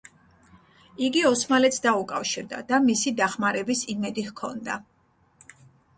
იგი ოსმალეთს დაუკავშირდა და მისი დახმარების იმედი ჰქონდა.